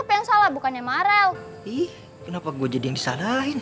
ih kenapa gue jadi yang disalahin